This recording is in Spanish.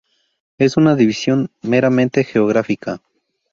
Es una división meramente geográfica.